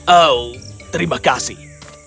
au terima kasih